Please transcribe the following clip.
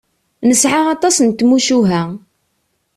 Nesɛa aṭas n tmucuha.